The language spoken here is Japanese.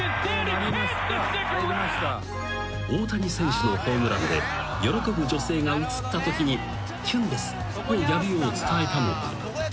［大谷選手のホームランで喜ぶ女性が映ったときに「きゅんです」をやるよう伝えたのだが］